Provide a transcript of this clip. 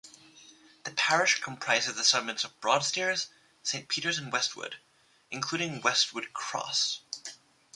The parish comprises the settlements of Broadstairs, Saint Peter's and Westwood, including Westwood Cross.